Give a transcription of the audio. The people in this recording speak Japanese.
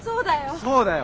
そうだよ。